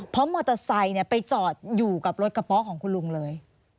เพราะมอเตอร์ไซค์ไปจอดอยู่กับรถกระเป๋าของคุณลุงเลย